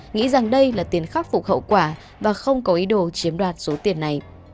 nghĩ rằng đây là tiền khắc phục hậu quả và không có ý đồ chiếm đoạt số tiền này